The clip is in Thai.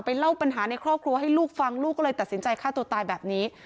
เล่าปัญหาในครอบครัวให้ลูกฟังลูกก็เลยตัดสินใจฆ่าตัวตายแบบนี้